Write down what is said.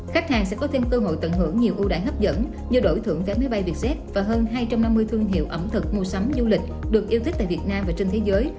khách hàng sẽ có thêm cơ hội tận hưởng nhiều ưu đại hấp dẫn như đổi thưởng vé máy bay vietjet và hơn hai trăm năm mươi thương hiệu ẩm thực mua sắm du lịch được yêu thích tại việt nam và trên thế giới